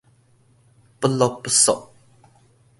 不橐不束